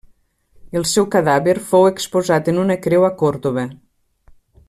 El seu cadàver fou exposat en una creu a Còrdova.